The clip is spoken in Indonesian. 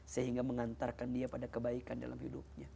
sehingga mengantarkan dia pada kebaikan dalam hidupnya